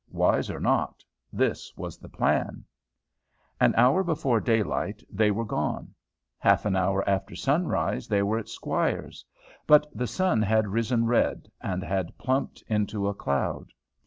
Wise or not, this was the plan. An hour before daylight they were gone. Half an hour after sunrise they were at Squire's. But the sun had risen red, and had plumped into a cloud.